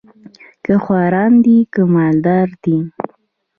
که خواران دي که مال دار دي